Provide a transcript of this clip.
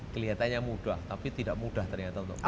kelihatannya mudah tapi tidak mudah ternyata untuk